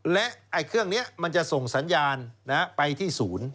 และเครื่องนี้มันจะส่งสัญญาณไปที่ศูนย์